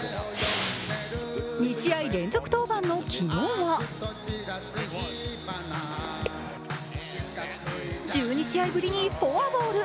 ２試合連続登板の昨日は１２試合ぶりにフォアボール。